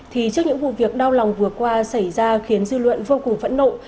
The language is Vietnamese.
thì trước những vụ việc đau lòng vừa qua xảy ra khiến dư luận vô cùng phẫn nộ